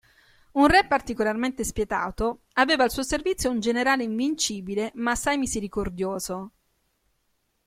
Un re particolarmente spietato aveva al suo servizio un generale invincibile ma assai misericordioso.